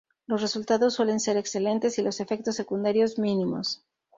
Los resultados suelen ser excelentes y los efectos secundarios mínimos.